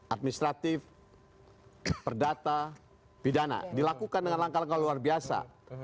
administratif perdata pidana dilakukan dengan langkah langkah luar biasa